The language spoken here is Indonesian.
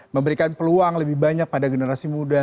memberikan peluang lebih banyak pada generasi muda